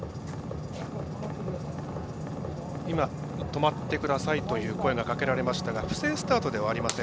止まってくださいという声がかけられましたが不正スタートではありません。